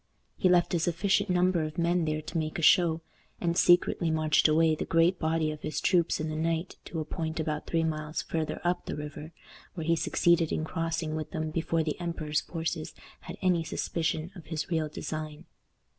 He left a sufficient number of men there to make a show, and secretly marched away the great body of his troops in the night to a point about three miles farther up the river, where he succeeded in crossing with them before the emperor's forces had any suspicion of his real design.